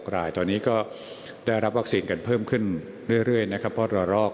๑๑๓๔๘๖รายตอนนี้ก็ได้รับวัคซีงกันเพิ่มขึ้นเรื่อยนะครับ